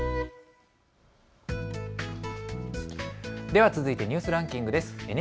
では続いてニュースランキングです。